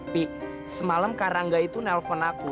pi semalam karangga itu nelpon aku